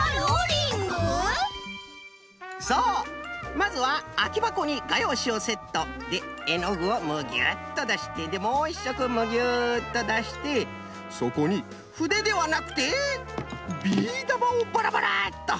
まずはあきばこにがようしをセット。でえのぐをむぎゅっとだしてでもう１しょくむぎゅっとだしてそこにふでではなくてビー玉をバラバラッと。